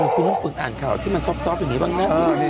คุณต้องฝึกอ่านข่าวที่มันซอบอย่างนี้บ้างนะ